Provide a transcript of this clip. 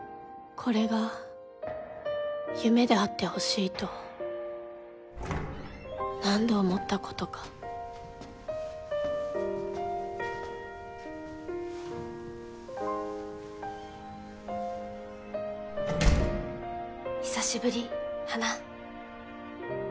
これが夢であってほしいと何度思ったことか久しぶり花。